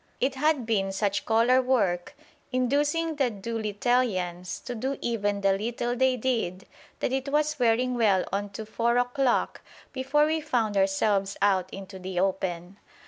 It had been such collar work inducing the Do littleians to do even the little they did that it was wearing well on to four o'clock before we found ourselves out into the open.